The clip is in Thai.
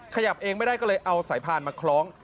ขยับเองไม่ได้ก็เลยเอาสายพานมาคล้อง